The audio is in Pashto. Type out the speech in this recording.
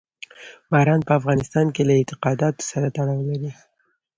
باران په افغانستان کې له اعتقاداتو سره تړاو لري.